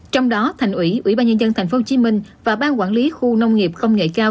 trong đó thành ủy ủy ban nhân dân thành phố hồ chí minh và ban quản lý khu nông nghiệp công nghệ cao